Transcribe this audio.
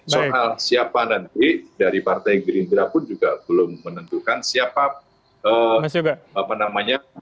soal siapa nanti dari partai gerindra pun juga belum menentukan siapa namanya